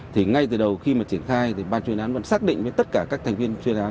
thì ngay từ đầu khi mà triển khai thì ban chuyên án vẫn xác định với tất cả các thành viên chuyên án